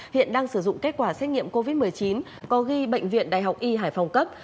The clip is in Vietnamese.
hiện đang sử dụng kết quả xét nghiệm covid một mươi chín có ghi bệnh viện đại học y hải phòng cấp